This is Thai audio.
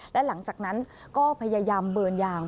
และหลังจากนั้นก็พยายามเบิร์นยาง